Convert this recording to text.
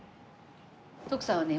徳さんはね